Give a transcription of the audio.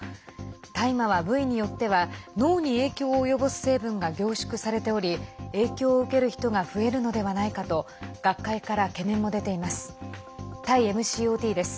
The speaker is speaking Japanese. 大麻は部位によっては脳に影響を及ぼす成分が凝縮されており影響を受ける人が増えるのではないかと学会から懸念も出ています。